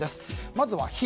まずは「ひ」。